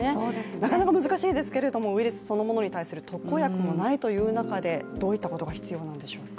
なかなか難しいですけれどもウイルスそのものに対する特効薬もないという中でどういったことが必要なんでしょうか。